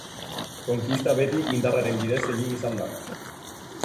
Konkista beti indarraren bidez egin izan da.